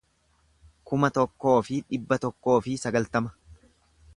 kuma tokkoo fi dhibba tokkoo fi sagaltama